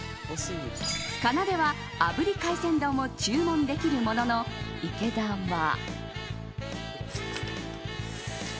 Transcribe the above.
かなでは炙り海鮮丼を注文できるものの池田は。